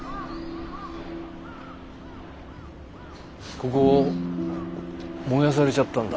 ここ燃やされちゃったんだ。